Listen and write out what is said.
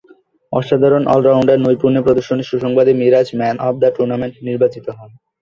অসাধারণ অল-রাউন্ড নৈপুণ্যে প্রদর্শনের সুবাদে Miraz "man of the tournament" নির্বাচিত হন।